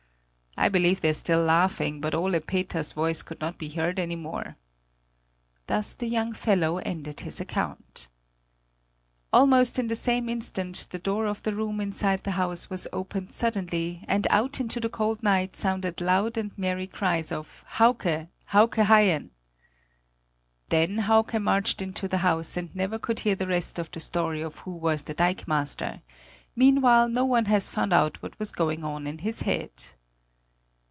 I believe they're still laughing; but Ole Peters's voice could not be heard any more!" Thus the young fellow ended his account. Almost in the same instant the door of the room inside the house was opened suddenly and out into the cold night sounded loud and merry cries of "Hauke! Hauke Haien!" Then Hauke marched into the house and never could hear the rest of the story of who was the dikemaster; meanwhile no one has found out what was going on in his head.